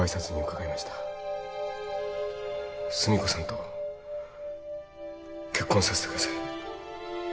寿美子さんと結婚させてください